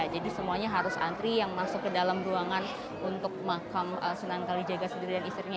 jadi semuanya harus antri yang masuk ke dalam ruangan untuk makam senang kali jaga sendiri dan istrinya